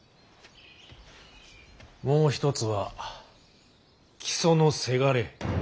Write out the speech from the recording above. もう一つは木曽のせがれ。